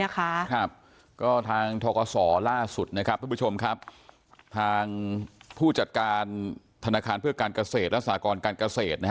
ก็ทางทกศล่าสุดทางผู้จัดการธนาคารเพื่อการเกษตรและสาค้อการเกษตร